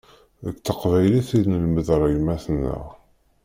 D taqbaylit i nelmed ar yemma-tneɣ.